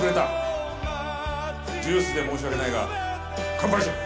ジュースで申し訳ないが乾杯しよう。